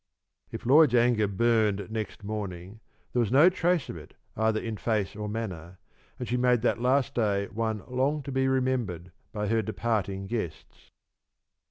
If Lloyd's anger burned next morning, there was no trace of it either in face or manner, and she made that last day one long to be remembered by her departing guests.